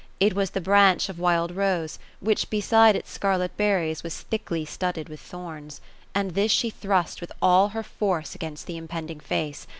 It was the branch of wild rose, which, beside its scarlet berries, was thickly studded with thorns; and this she thrust with all her force against the impending face.